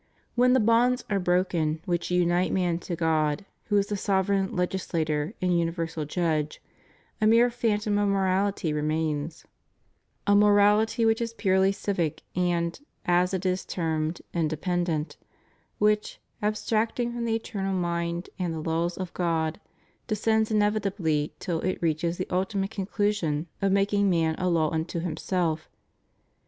When the bonds are broken which unite man to God, who is the Sovereign Legislator and Universal Judge, a mere phantom of morality remains; a morality which is purely civic and, as it is termed, inde pendent, which, abstracting from the Eternal Mind and the laws of God, descends inevitably till it reaches the ultimate conclusion of making man a law unto himself.